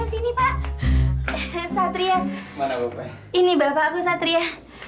sini pak satria ini bapakku satria